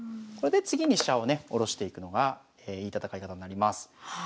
これで次に飛車をねおろしていくのがいい戦い方になります。